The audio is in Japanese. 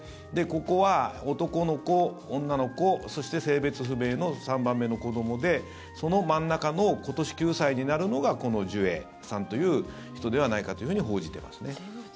ここは男の子、女の子そして性別不明の３番目の子どもでその真ん中の今年９歳になるのがこのジュエさんという人ではないかというふうに報じていますね。